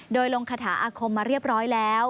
โดยลงคาถาอาคมมาเรียบร้อยแล้ว